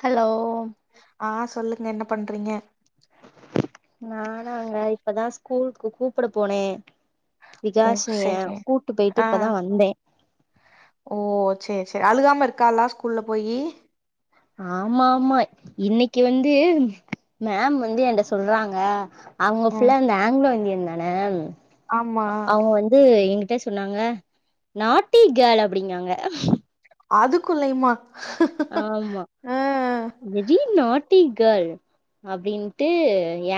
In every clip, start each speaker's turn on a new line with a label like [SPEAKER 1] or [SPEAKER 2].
[SPEAKER 1] Hello
[SPEAKER 2] ஆ சொல்லுங்க என்ன பண்ணுறீங்க
[SPEAKER 1] நானாங்க இப்பதா ஸ்கூலுக்கு கூப்புட போன
[SPEAKER 2] ஓ
[SPEAKER 1] விகாஷினிய
[SPEAKER 2] செரி
[SPEAKER 1] கூட்டு போயிட்டு
[SPEAKER 2] ஆ
[SPEAKER 1] இப்பதா வந்த
[SPEAKER 2] ஓ சரி சரி அழுகாம இருக்கலா ஸ்கூல்ல போயி
[SPEAKER 1] ஆமா ஆமா இன்னிக்கு வந்து மேம் வந்து என்ட சொல்றாங்க அவுங்க
[SPEAKER 2] ஆ
[SPEAKER 1] ஃபுல்ல அந்த ஆங்க்லோ இந்தியன் தான
[SPEAKER 2] ஆமா
[SPEAKER 1] அவுங்க வந்து சொன்னாங்க நாட்டி கேள் அப்டிங்காங்க
[SPEAKER 2] அதுக்குள்ளயுமா
[SPEAKER 1] ஆமா
[SPEAKER 2] ஆ
[SPEAKER 1] விஜி நாட்டி கேல் அப்டின்ட்டு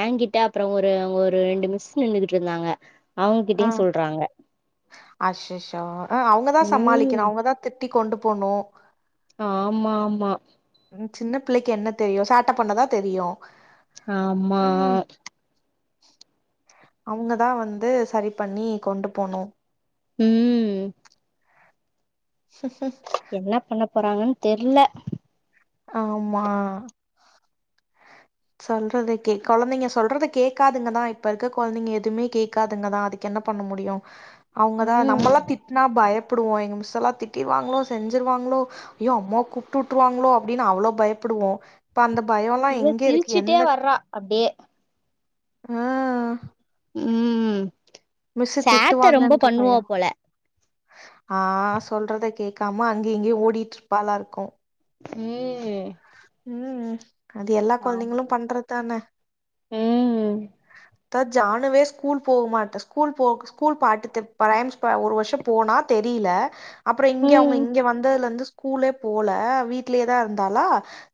[SPEAKER 1] ஏங்கிட்ட அப்ரோ ஒரு ஒரு ரெண்டு மிஸ் நின்னுட்டு இருந்தாங்க
[SPEAKER 2] ஆ
[SPEAKER 1] அவங்ககிட்டயு சொல்றாங்க
[SPEAKER 2] அஸ்ஸஸ்ஸோ அவ்ங்கதா
[SPEAKER 1] ம்
[SPEAKER 2] சமாளிக்கணு அவ்ங்கதா தட்டி கொண்டு போனு
[SPEAKER 1] ஆமா ஆமா
[SPEAKER 2] ம் சின்ன பிள்ளைக்கு என்ன தெரியு சேட்ட பண்ணதா தெரியு
[SPEAKER 1] ஆமா
[SPEAKER 2] ம் அவுங்க தா வந்து சரி பண்ணி கொண்டு போனு
[SPEAKER 1] ம்
[SPEAKER 2] [inaudible]
[SPEAKER 1] என்ன பண்ண போறாங்கன்னு தெர்ல
[SPEAKER 2] ஆமா சொல்றது கேக் கொழந்தைங்க சொல்றது கேக்காதுங்கதா இப்ப இருக்க கொழந்தைங்க எதுமே கேக்காதுங்கதா அது என்ன பண்ண முடியு அவுங்கதா
[SPEAKER 1] ம்
[SPEAKER 2] நம்மல்லா திட்னா பயப் ப்டுவோ எங்க மிஸ்சு எல்லா திட்டிடுவாங்களோ செஞ்ருவாங்களோ ஐயோ அம்மா கூப்ட்டுவுட்ருவாங்களோ அப்டின்னு அவ்ளோ பயப்புடுவோ இப்ப அந்த பயோல
[SPEAKER 1] இவ
[SPEAKER 2] எங்க இருக்கு
[SPEAKER 1] சிரிச்சுட்டே
[SPEAKER 2] எந்தக்
[SPEAKER 1] வர்றா அப்டியே
[SPEAKER 2] ஹ்
[SPEAKER 1] ம்
[SPEAKER 2] மிஸ்ஸு
[SPEAKER 1] சேட்ட ரொம்ப
[SPEAKER 2] திட்டுவாங்கன்ற
[SPEAKER 1] பண்ணுவா
[SPEAKER 2] பயோ
[SPEAKER 1] போல
[SPEAKER 2] ஆ சொல்றத கேக்காம அங்கயு இங்கேயு ஓடிட்டு இருப்பாலா இருக்கு
[SPEAKER 1] ம்
[SPEAKER 2] ம் அது எல்லா
[SPEAKER 1] ஆமா.
[SPEAKER 2] கொழந்தைங்களு பண்றதுதான
[SPEAKER 1] ம்
[SPEAKER 2] தா ஜானுவே ஸ்கூல் போகமாட்ட ஸ்கூல் போ ஸ்கூல் பாட்டு [unintelligible] ரைம்ஸ் ஒரு வருஷோ போனா தெரில அப்ரோ இங்க அவங்க
[SPEAKER 1] ம்
[SPEAKER 2] இங்க வந்ததுல இருந்து ஸ்கூலே போல வீட்லயேதா இருந்தாலா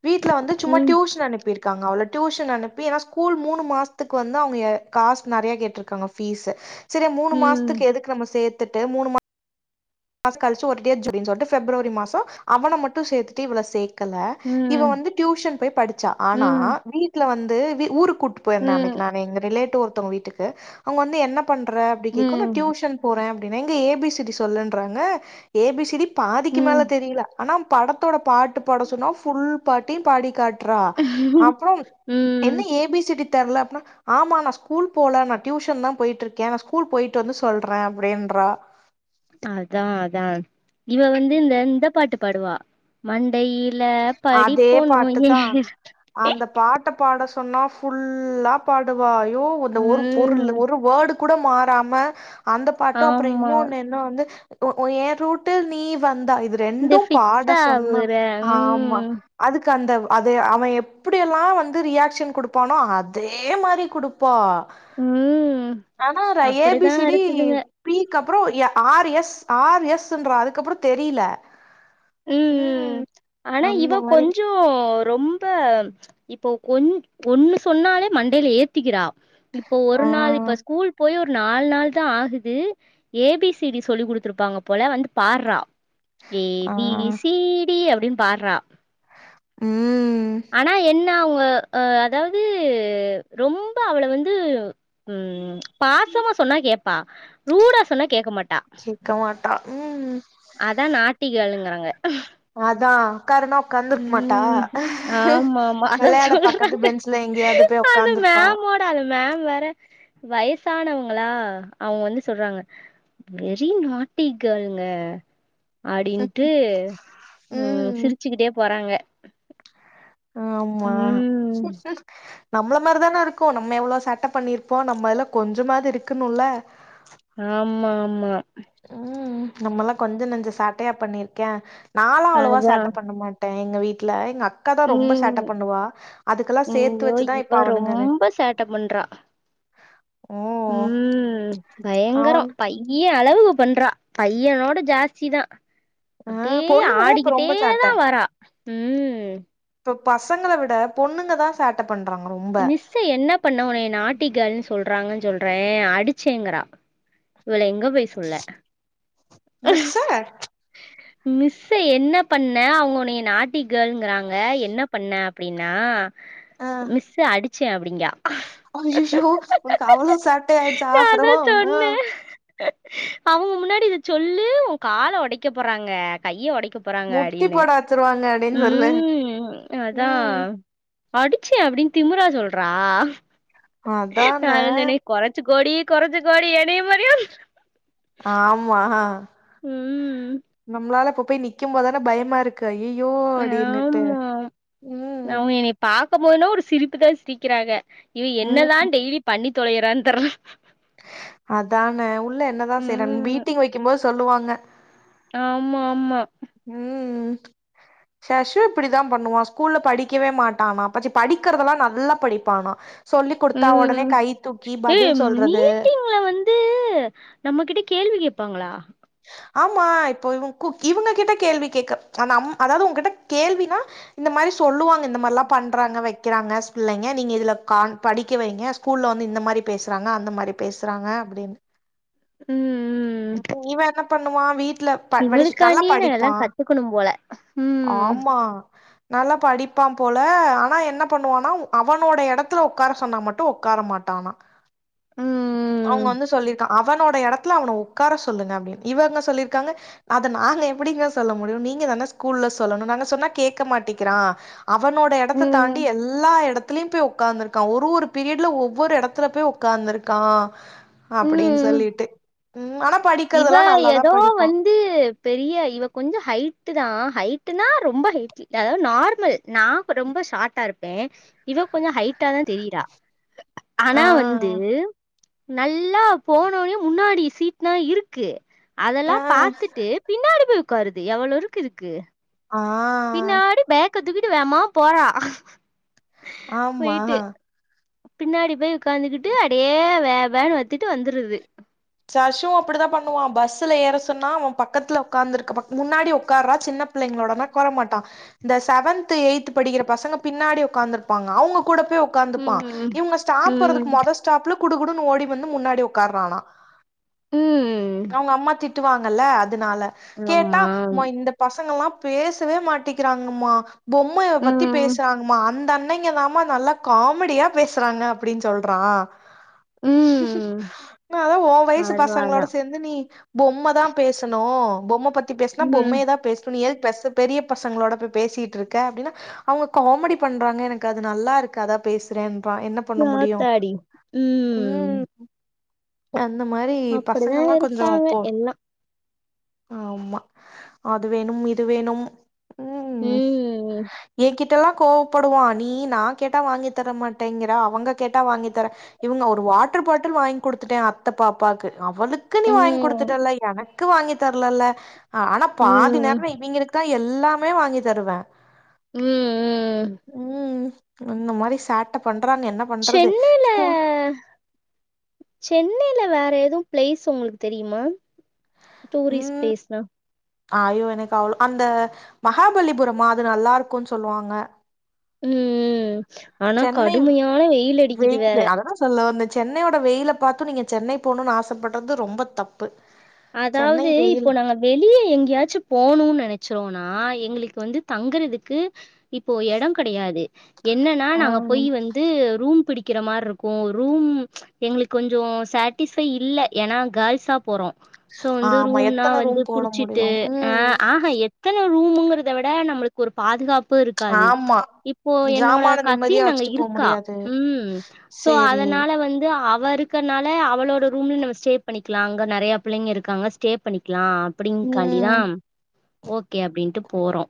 [SPEAKER 2] வீட்ல வந்து சும்மா
[SPEAKER 1] ம்
[SPEAKER 2] டியூஷன் அனுப்பிருக்காங்க அவள டியூஷன் அனுப்பி ஏன்னா ஸ்கூல் மூணு மாஷ் துக்கு வந்து அவங்க காஸ் நெறைய கேட்டிருக்காங்க பீஸ் சரி மூணு
[SPEAKER 1] ம்
[SPEAKER 2] மாசத்துக்கு எதுக்கு நம்ம சேத்து ட்டு மூணு [unintelligible] மாஷ் கழிச்சு ஒரு [unintelligible] சொல்லிட்டு ஃபிப்ரவரி மா சோ அவன மட்டு சேத்துட்டு இவள சே கல இவ
[SPEAKER 1] ம்
[SPEAKER 2] வந்து டியூஷன் போய் படிச்சா ஆனா
[SPEAKER 1] ம்
[SPEAKER 2] வீட்ல வந்து வீ ஊருக்கு கூட்டு போயிருந்த
[SPEAKER 1] ம்
[SPEAKER 2] அன்னைக்கு நாங்க எங்க ரிலேடிவ் ஒருத்தவுங்க வீட்டுக்கு அவங்க வந்து என்ன பண்ற அப்டி கேக்கு நா
[SPEAKER 1] ம்
[SPEAKER 2] டியூஷன் போறே அப்டின்னா இங்க ஏ பி சி டி சொல்லுன்றாங்க ஏ பி சி டி பாதிக்கு மேல
[SPEAKER 1] ம்
[SPEAKER 2] தெரில ஆனா படத்தோட பாட்டு பாட சொன்னா ஃபுல் பாட்டையு பாடி காட் ட்ரா அப்புறம்
[SPEAKER 1] ம்
[SPEAKER 2] என்ன ஏ பி சி டி தெர்ல அப்ன்னா ஆமா நான் ஸ்கூல் போல நா டியூஷன் தா போயிட்டு இருக்கே நா ஸ்கூல் போயிட்டு வந்து சொல்றே அப்டியின்றா
[SPEAKER 1] அதா அதா இவ வந்து இந்த இந்த பாட்டு பாடுவா மண்டையில
[SPEAKER 2] அதே
[SPEAKER 1] படிப்பொன்ணு
[SPEAKER 2] பாட்டு தா
[SPEAKER 1] ஏறல
[SPEAKER 2] அந்த பாட்ட பாட சொன்னா ஃபுல்லா பாடுவா ஐயோ இந்த ஒரு பொருள்
[SPEAKER 1] ம்
[SPEAKER 2] ஒரு வேர்டு கூட மாறாம அந்த பாட்டு அப்றோ
[SPEAKER 1] ஆமா
[SPEAKER 2] இன்னொன்னு என்ன வந்து எ ரூட்டில் நீ வந்தா இது
[SPEAKER 1] இந்த
[SPEAKER 2] ரெண்டு பாட
[SPEAKER 1] ஃபிக்ஸ்
[SPEAKER 2] சொன்ன
[SPEAKER 1] ஆவுற
[SPEAKER 2] ஆமா
[SPEAKER 1] ம்
[SPEAKER 2] அதுக்கு அந்த அது அவன் எப்டிய எல்லா வந்து ரியாகஷன் கொடுப்பானோ அதே மாரி குடுப்பா
[SPEAKER 1] ம்.
[SPEAKER 2] ஆனா ரா ஏ பி
[SPEAKER 1] அப்படிதான்
[SPEAKER 2] சி டி
[SPEAKER 1] இருக்குதுங்க.
[SPEAKER 2] பி க்குப்புறோ ஆர் எஸ் ஆர் எஸ் ன்றா அதுக்கப்புறோ தெரில ம்
[SPEAKER 1] ஆனா இவ
[SPEAKER 2] அந்த மாரி
[SPEAKER 1] கொஞ்சோ ரொம்பா இப்ப கொஞ் ஒண்ணு சொன்னாலே மண்டைல ஏத்திக்கிறா இப்போ
[SPEAKER 2] ஆ
[SPEAKER 1] ஒரு நாள் இப்ப ஸ்கூல் போய் ஒரு நாலு நாள் தா ஆகுது ஏ பி சி டி சொல்லி குடுத்துருப்பாங்க போல வந்து பாட்றா A
[SPEAKER 2] ah
[SPEAKER 1] B C D அப்டின்னு பாட்றா
[SPEAKER 2] ம்
[SPEAKER 1] ஆனா என்ன அவுங்க அ அதாவது ரொம்ப அவள வந்து ம் பாசமா சொன்னா கேப்பா ரூடா சொன்னா கேட்க மாட்டா
[SPEAKER 2] ட்டா ம்
[SPEAKER 1] அதா நாட்டி கேளுங்கறாங்க
[SPEAKER 2] அதா உக்காரனா உகாந்துருக்கமாட்டா
[SPEAKER 1] ஆமா ஆமா அதா
[SPEAKER 2] விளையாட பக்கத்து
[SPEAKER 1] சொல்றாங்க
[SPEAKER 2] பெஞ்சுல எங்கயாது போய் உட்க்காந்துருப்பா
[SPEAKER 1] அந்த மேம் வேற வயசானவங்களா அவுங்க வந்து சொல்றாங்க வெறி நாட்டி கேள்ளுங்க அப்டின்ட்டு ம் சிரிச்சுக்கிட்டே போறாங்க
[SPEAKER 2] ஆமா
[SPEAKER 1] ம்
[SPEAKER 2] நம்மள மாரிதானே இருக்கு நம்ம எவ்ளோ சேட்ட பண்ணிருப்போ நம்ம இதுல கொஞ்ச மாது இருக்குன்னு இல்ல
[SPEAKER 1] ஆமா ஆமா
[SPEAKER 2] ம் நம்மல்லா கொஞ்ச நஞ்ச சாட்டையா பண்ணிருக்கே நாளா அவ்ளவா
[SPEAKER 1] அதா
[SPEAKER 2] சேட்ட பண்ணமாட் ட எங்க வீட்ல எங் அக் அக்காதா ரொம்ப
[SPEAKER 1] ம்
[SPEAKER 2] சேட்ட பண்ணுவா அதுக்கெல்லா சேத்து
[SPEAKER 1] ஐயோ
[SPEAKER 2] வச்சுதா இப்ப
[SPEAKER 1] இவ
[SPEAKER 2] அவனுங்க ரெ
[SPEAKER 1] ரொம்ப சேட்ட பண்றா ம் பயங்கரோ
[SPEAKER 2] அவன்
[SPEAKER 1] பயி பைய அளவுக்கு பண்றா பையனோட ஜாஸ்தி தா
[SPEAKER 2] ஆ
[SPEAKER 1] அப்டியே
[SPEAKER 2] பொண்ணுங்கதா இப்ப
[SPEAKER 1] ஆடிக்கிட்டே
[SPEAKER 2] ரொம்ப சேட்ட
[SPEAKER 1] தா வரா ம்
[SPEAKER 2] இப்ப பசங்கள விட பொண்ணுங்க தா சேட்ட பண்றாங்க ரொம்ப
[SPEAKER 1] மிஸ்ஸ என்ன பண்ண உன்னைய நாட்டிகேள்னு சொல்றாங்கன்னு சொல்றே அடிச்சேங்கிறா இவள எங்க போய் சொல்ல
[SPEAKER 2] மிஸ்ஸா
[SPEAKER 1] மிஸ்ஸ என்ன பண்ண அவுங்க உன்னைய நாட்டி கேள்ன்றாங்க என்ன பண்ண அப்டின்னா மிஸ்ஸ அடிச்சே அப்டிங்கா
[SPEAKER 2] அய்யய்யோ உனக்கு அவ்ளோ சேட்ட ஆயிடுச்சா அப்றோ ஆ
[SPEAKER 1] அவுங்க முன்னாடி இத சொல்லி உன் கால ஒடைக்க போறாங்க கையை ஒடைக்க போறாங்க
[SPEAKER 2] முட்டி
[SPEAKER 1] அப்டின்னே
[SPEAKER 2] போட வச்சிருவாங்க அப்டின்னு சொல்லு
[SPEAKER 1] ம் அதா
[SPEAKER 2] ம்
[SPEAKER 1] அடிச்சே அப்டின்னு திமுரா சொல்றா நா
[SPEAKER 2] அதானே
[SPEAKER 1] அதா சொன்னே கொரச்சு கோடி கொரச்சு கோடி எனய மாரியே
[SPEAKER 2] ஆமா
[SPEAKER 1] ம்
[SPEAKER 2] நம்ளால அப்ப போய் நிக்க போதானே பயமா இருக் கு ஐயய்யோ அடின்னுட்டு ம்
[SPEAKER 1] பாக்க மோதுன்னா ஒரு சிரிப்புதா சிரிக்கிறாக இவ
[SPEAKER 2] ம்
[SPEAKER 1] என்னதான் டெய்லிப் பண்ணித் தொலையறான் தெர்ல
[SPEAKER 2] அதானே உள்ள என்னதா செய்றான்
[SPEAKER 1] ம்
[SPEAKER 2] பீட்டிங் வெக்கம்போது சொல்லுவாங்க
[SPEAKER 1] ஆமா மா
[SPEAKER 2] ம் ஷஷூ இப்டிதாம் பண்ணுவா ஸ்கூல்ல படிக்கவே மாட்டானா பச்சிப் படிக்றதெல்லா நல்லாப் படிப்பானா சொல்லி்க் குடுத்தா ஒடனே
[SPEAKER 1] ம்
[SPEAKER 2] கை தூக்கி பதில் சொல்றது
[SPEAKER 1] வுள வந்து நம்மகிட்ட கேள்வி கேப்பாங்ளா
[SPEAKER 2] ஆமா இப்போ இவுங் கூக் இவுங்க கிட்ட கேள்வி கேக்க அ நம் அதாவ்து ஒங்கிட்டக் கேள்வினா இந்த மாதிரி சொல்லுவாங்க இந்த மார்லாப் பன்றாங்க வெக்கிறாங்கச் பிள்ளைங்க நீங்க இதுலக் கான் படிக்க வைங்கச் ஃபூல்ல வந்து இந்த மாரிப் பேச்சறாங்க அந்த மாரிப் பேச்சறாங்க அப்டினு
[SPEAKER 1] ம் ம் ம்
[SPEAKER 2] இவெ என்னப் பண்ணுவா வீட்லப் பா படிசுட் நல்லாப்
[SPEAKER 1] இவளுக்காண்டியே நா எல்லா
[SPEAKER 2] படிப்பா
[SPEAKER 1] கத்துக்கணும் போல ம்
[SPEAKER 2] ஆம்மா நல்லாப் படிப்பாம் போல ஆனா என்னப் பண்ணுவானா அவனோட எடத்துல ஒக்கார சொன்னா மட்டு ஒக்கார மாட்டானா அவுங்க
[SPEAKER 1] ம்
[SPEAKER 2] வந்து சொல்லிருக்கா அவனோட எடத்ல அவன உக்கார சொல்லுங்க அப்டின் இவங்க சொல்லிர்க்காங்க அத நாங்க எப்டிங்க சொல்ல முடியு நீங்க தானே ஸ்கூல்ல சொல்லனு நாங்க சொன்னாக் கேக்க மாட்டிக்கிறா அவனோட எடத்த
[SPEAKER 1] ம்
[SPEAKER 2] தாண்டி எல்லா எடத் துலியும் போய் உக்காந்துருக்கா ஒரு ஒருப் பீரியட்ல ஒவ்வொரு எடத்துலப் போய் ஒக்காந்துருக்கா அப்பிடின்
[SPEAKER 1] ம்
[SPEAKER 2] சொல்லிட்டு ம் ஆனாப் படிக்கிறதெல்லா நல்லாதாப் படிப்பா
[SPEAKER 1] து பெரிய இவக் கொஞ்சோ ஹைட்டுதா ஹைட்டுனா ரொம்ப ஹைட் இ அதாவ்து நார்மல் நா கொ ரொம்ப ஷார்ட்டாருப்பே இவக் கொஞ்சொ ஹைட்டாதா தெரிறா
[SPEAKER 2] ஆ
[SPEAKER 1] ஆனா வந்து நல்லா போனோனே முன்னாடி சீட் னா இருக்கு
[SPEAKER 2] ஆ
[SPEAKER 1] அதெல்லாப் பாத்துட்டு பின்னாடி போய் உக்காருது எவ்ளோ இருக்கு இதுக்கு
[SPEAKER 2] ஆ
[SPEAKER 1] பின்னாடி பேக்கத்தூக்கிட்டு வேமா போறா போயிட்டு
[SPEAKER 2] ஆமா
[SPEAKER 1] பின்னாடி போய் உக்காந்துகிட்டு அடியே வே வேனு வத்துட்டு வந்துருது
[SPEAKER 2] சர்ஷு அப்புடிதாப் பண்ணுவா பஸ்ஸுல ஏற சொன்னா அவம் பக்கத்துல ஒக்காந்துருக்க பக் முன்னாடி ஒக்கார்றா சின்னப் பிள்ளைங்ளோடனா உக்கார மாட்டா இந்த செவன்த்து எய்த்து படிகிற பசங்க பின்னாடி உக்காந்துருப்பாங்க அவுங்க கூட போய் உக் காந்துப்பா
[SPEAKER 1] ம்
[SPEAKER 2] இவுங்க ஸ்டாப்பறதுக்கு
[SPEAKER 1] ம்
[SPEAKER 2] மொதச் ஸ்டாப்ல குடு குடுனு ஓடி வந்து முன்னாடி உக்கார்றானா
[SPEAKER 1] ம் ம்
[SPEAKER 2] அவுங்க அம்மா திட் ட்டுவாங்கல்ல அதனால கேட்டா
[SPEAKER 1] ஆமா
[SPEAKER 2] அம்மா இந்தப் பசங்களாப் பேசவே மாட்டிகிறாங்கமா பொம்மைய பத்தி
[SPEAKER 1] ம்
[SPEAKER 2] பேசறாங்மா அந்தண் ணைங்க தாமா நல்லாகே காமெடியாப் பேசறாங்க அப்டின் சொல்றா
[SPEAKER 1] ம்
[SPEAKER 2] நா அதா ஓ வயிசுப் பசங்ளோட
[SPEAKER 1] அதுவாதான்
[SPEAKER 2] சே செந்து நீ பொம்மதாம் பேசனு பொம்ம பத்தி பேச்னா
[SPEAKER 1] ம்
[SPEAKER 2] பொம்மைையதா பேச் இப்ப நீ எதுக் ஃபஸ்ட்டு பெரியப் பசங்ளோட போய் பேசிட்ருக்க அப்டினா அவுங்க காமெடி பண்றாங்க எனக்கு அது நல்லாருக்கு அதாப் பேசுறேன்றா என்னப் பண்ண முடியு
[SPEAKER 1] ஆத்தாடி
[SPEAKER 2] ம் இந்த மாரி
[SPEAKER 1] அப்படிதான்
[SPEAKER 2] பசங்களா கொஞ்சோ
[SPEAKER 1] இருக்காங்க
[SPEAKER 2] இப்போ
[SPEAKER 1] எல்லாம்
[SPEAKER 2] ஆமா அது வேணும் இது வேணும் ம்
[SPEAKER 1] ம்
[SPEAKER 2] ஏங்கிட் ட்டலாக் கோவப்படுவா நீ நா கேட்டா வாங்கித்தர மாட்டேங்கிற அவங்க கேட்டா வாங்கித்தரே இவுங்க ஒரு வாட்டர் பாட்டில் வாங்கி குடுத்துட்டே அ பாப்பாக்கு அவளுக்கு நீ வாங்
[SPEAKER 1] ம்
[SPEAKER 2] குடுத்துட்டல்ல எனக்கு வாங்கி தரலல்ல அ ஆனா பாதி
[SPEAKER 1] ம்
[SPEAKER 2] நேரோ இவிங்களுக்குதா எல்லாமே வாங்கி தருவ
[SPEAKER 1] ம்
[SPEAKER 2] ம் இந்த மாரி சேட்ட பண்றான்க என்ன ப
[SPEAKER 1] சென்னைல சென் வேற எதும் பிளேஸ் உங்களுக்கு தெரியுமா டூரிஸ் பிளேஸ்னா
[SPEAKER 2] அயோ எனக்கு அவ்ளோ அந்த மகாபலிபுரமா அது நல்லாருக்கும்ன் சொல்வாங்க
[SPEAKER 1] ம் ஆனா
[SPEAKER 2] சென்னை
[SPEAKER 1] கடுமையான வெயில் அடிக்கிது வேற
[SPEAKER 2] வெயிலு அததான் சொல்ல வந்த சென்னையோட வெயில பாத்து நீங்க சென்னை போணும் ஆசைப்பட்றது ரொம்ப தப்பு சென்னை
[SPEAKER 1] அதாவ்து
[SPEAKER 2] வெயில்
[SPEAKER 1] இப்போ நாங்க வெளியே எங்கேயாச்சு போணும் நனச்சோனா எங்களுக்கு வந்து தங்குறதுக்கு இப்போ எடோம் கடையாது என்னன்னா
[SPEAKER 2] ஆ
[SPEAKER 1] நாங்க போய் வந்து ரூம் பிடி கிற மார்ருக்கும் ரூம் எங்களுக்கு கொஞ்சோ சட்டிஸ்பை இல்ல ஏன்னா கேள்ஸா போறோம் சோ வந்து
[SPEAKER 2] ஆமா
[SPEAKER 1] ரூம்னா
[SPEAKER 2] எத்தன
[SPEAKER 1] வந்து
[SPEAKER 2] ரூம் போட முடியு
[SPEAKER 1] புடிச்சிட்டு அ
[SPEAKER 2] ம்
[SPEAKER 1] அஹ த்ன ரூமுங்கறத விட நம்மளுக்கு ஒரு பாதுகாப் பு இருக்காது
[SPEAKER 2] ஆமா
[SPEAKER 1] இப்போ என்னோட
[SPEAKER 2] ஜாமான நிம்மதியா
[SPEAKER 1] கசின் அங்க
[SPEAKER 2] வச்சுட்டு போ
[SPEAKER 1] இருக்கா
[SPEAKER 2] முடியாது
[SPEAKER 1] ம் சோ
[SPEAKER 2] சேரி
[SPEAKER 1] அதனால வந்து அவருக் கனால அவளோட ரூமுன் நம்ம ஸ்டே பண்ணிக்கலா அங்க நறைய பிள்ளைங்க இருக்காங்க ஸ்டே பண்ணிக் க்கலா அப்டின் காாண்டிதா
[SPEAKER 2] ம்
[SPEAKER 1] ஓகே அப்டின்ட்டு போறோ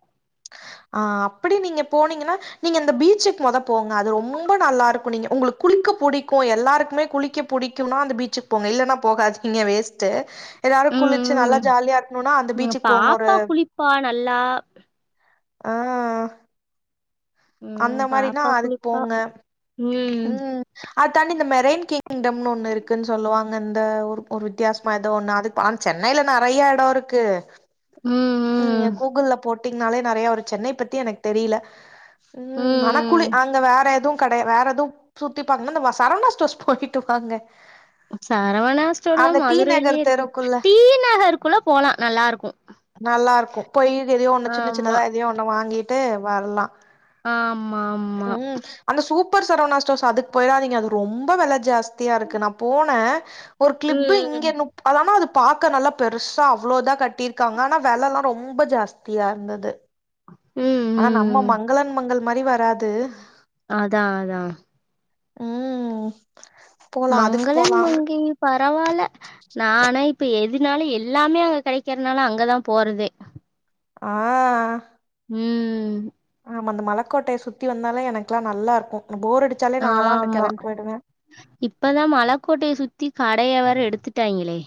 [SPEAKER 2] ஆ அப்படி நீங்க போனீங்கன்னா நீங்க இந்த பீச்சுக்கு மொத போங்க அது ரொம்ப நல்லா இருக்கோ நீங்க உங்களுக்கு குளிக்க பிடிக்கோம் எல்லாருக்குமே குளிக்க புடிக்கும்னா அந்த பீச்சுக் போங்க இல்லன்னா போகாதிங்க வேஸ்ட்டு எதாரு
[SPEAKER 1] ம்
[SPEAKER 2] குளிச்சு நல்லா
[SPEAKER 1] ம்
[SPEAKER 2] ஜாலியா இருக்கணும்னா அந்த பீச்சுக் போங்க ஒரு
[SPEAKER 1] ப்பா நல்லா
[SPEAKER 2] உம்
[SPEAKER 1] ம் பாப்பா குளிப்பா ம்
[SPEAKER 2] அ தாண்டி இந்த மெரேன் கிங்டம்னு ஒண்ணு இருக்குன் சொல்லுவாங இந்த ஒரு ஒரு வித்தியாஸ்மா எதோ ஒண்ணு அதுக்காம்ச்ச னையல நறைய எடோ இருக்கு ம் ய கூகுள்ள போட்டீங்னாலே நறைய ஒரு சென்னை பத்தி எனக்கு தெரியில ம் ஆனா குலி அங்க வேற எதுவு கட வேற எதுவு சுத்திப்பாக்கன்னா வ சரவணா ஸ்டோர்ஸ் போயிட்டு வாாங்க
[SPEAKER 1] சரவணா ஸ்டோர் தா மதுரைலயே
[SPEAKER 2] நகர்
[SPEAKER 1] இருக்கு
[SPEAKER 2] தெருக்குள்ள
[SPEAKER 1] டி நகருக்குள்ள போலா நல்லா இருக்கும்
[SPEAKER 2] நல்லாருக்கு பொய் எதோ ஒண்ணு ஜின்ன ஜின்னதா எதயோ ஒண்ணு வாங்கிட்டு வரலா
[SPEAKER 1] ஆமா ஆமா
[SPEAKER 2] ம் அந்த சூப்பர் சரவணா ஸ்டோஸ் அதுக்கு போயிடாதீங்க அது ரொம்ப வெல ஜாஸ்தியா இருக்கு நா போன ஒரு கிளிப்பு
[SPEAKER 1] ம்
[SPEAKER 2] இங்க முப் அது ஆனா அது பாக்க நல்லா பெருசா அவ்ளோ தா கட்டியிருக்காங்க ஆனா வெலல்லா ரொம்ப ஜாஸ்தியா இருந்தது
[SPEAKER 1] ம்
[SPEAKER 2] ஆனா நம்ம
[SPEAKER 1] ம்
[SPEAKER 2] மங்களன் மங்கள் மாரி வராது
[SPEAKER 1] அதா அதா
[SPEAKER 2] ம் போலா அதுக்கு
[SPEAKER 1] மங்களன்
[SPEAKER 2] போலா
[SPEAKER 1] மங்கை பரவால்ல நானா இப்ப எதுனாலு எல்லாமே அங்க கடைக்கறனால அங்கதா போறதே
[SPEAKER 2] ஆ
[SPEAKER 1] ம் ம்
[SPEAKER 2] ஆமா அந்த மலக்கோட்டைய சுத்தி வந்தாலே எனக்குல்லா நல்லா இருக்கு போர் அடி
[SPEAKER 1] ஆமா இப்பதா மலக்கோட்டைய சுத்தி கடைய வேற எடுத்துட்டாங்களே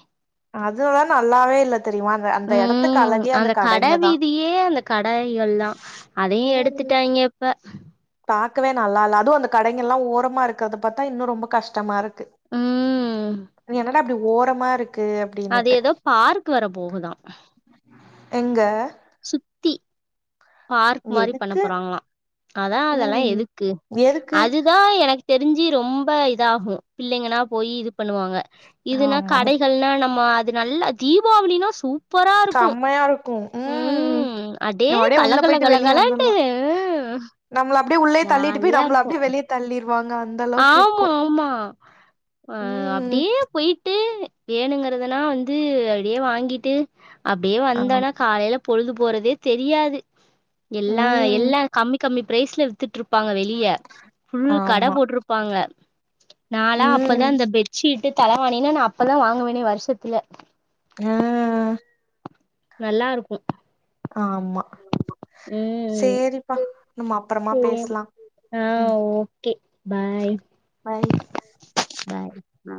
[SPEAKER 2] அதுலா நல்லாவே இல்ல தெரியுமா அந்த அந்த எடத்துக்கு
[SPEAKER 1] உம்
[SPEAKER 2] அழகே
[SPEAKER 1] அந்த கட
[SPEAKER 2] கடைங்க தா
[SPEAKER 1] வீதியே அந்த கடைகள்தா அதையு
[SPEAKER 2] ம்
[SPEAKER 1] எடுத்துட்டாங்கிய இப்ப
[SPEAKER 2] பாக்கவே நல்லா இல்ல அதுவும் அந்த கடைகள்ல்லா ஓரமா இருக்குறத பாத்தா இன்னு ரொம்ப கஷ்டமா இருக் கு
[SPEAKER 1] ம்
[SPEAKER 2] என்னடா இப்டி ஓரமா இருக்
[SPEAKER 1] அது ஏதோ பார்க்கு வர போகுதா
[SPEAKER 2] எங்க
[SPEAKER 1] சுத்தி பார்க் மாரி பண்ண
[SPEAKER 2] எதுக்கு
[SPEAKER 1] போறாங்களா அதான் அதெல்லா
[SPEAKER 2] ம்
[SPEAKER 1] எதுக்கு
[SPEAKER 2] எதுக்கு
[SPEAKER 1] அதுதான் எனக்கு தெரிஞ்சு ரொம்ப இதாகு பிள்ளைங்னா போய் இது பண்ணுவாங்க இதுன்னா
[SPEAKER 2] ஆமா மு
[SPEAKER 1] கடைகள்னா நம்ம அது நல்லா தீபாவளினா சூப் பரா இருக்கும்
[SPEAKER 2] செம்மையா இருக்கு ம்
[SPEAKER 1] உம் அடே
[SPEAKER 2] நம்ம அப்டியே உள்ள
[SPEAKER 1] கலக்கல
[SPEAKER 2] போயிட்டு
[SPEAKER 1] கல
[SPEAKER 2] வெளிய
[SPEAKER 1] கலன்ட்டு
[SPEAKER 2] வந்துர்லா
[SPEAKER 1] உம்
[SPEAKER 2] நம்மள அப்டியே உள்ளயே தள்ளிட்டு போய்
[SPEAKER 1] ஜாலியா
[SPEAKER 2] நம்மள
[SPEAKER 1] இருக்கு
[SPEAKER 2] அப்டியே வெளிய தள்ளிருவாங்க அந்தள
[SPEAKER 1] ஆமா ஆமா அ
[SPEAKER 2] ம்
[SPEAKER 1] அப்டியே போயிட்டு வேணுங்கிறதுனா வந்து அப்டியே வாங்கிட்டு அப்படியே
[SPEAKER 2] ஆம்
[SPEAKER 1] வந்தனா காலையில பொழுது போறதே தெரியாது எல்லா
[SPEAKER 2] ம்
[SPEAKER 1] எல்லாம் கம்மி கம்மி பிரைஸ்ல வித்துட்டுருப்பாங்க வெளிய ஃபுல் கட
[SPEAKER 2] ஆமா
[SPEAKER 1] போட்ருப்பாங்க நாளா அப்பதா
[SPEAKER 2] ம்
[SPEAKER 1] அந்த பெட்ஷீட்டு தலவாணின்னு நா அப்பதா வாங்குவனே வருஷத்துல
[SPEAKER 2] ஆ
[SPEAKER 1] நல்லா இருக்கும்
[SPEAKER 2] ஆமா
[SPEAKER 1] ம்
[SPEAKER 2] சேரிப்பா நம்ம அப்பறமா
[SPEAKER 1] சேரி
[SPEAKER 2] பேசலா
[SPEAKER 1] ஆ
[SPEAKER 2] ம்
[SPEAKER 1] ஓகே பாய்
[SPEAKER 2] பாய்
[SPEAKER 1] பாய்
[SPEAKER 2] ஆ